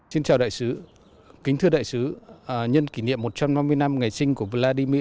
xin chào đại sứ kính thưa đại sứ nhân kỷ niệm một trăm năm mươi năm ngày sinh của vladimir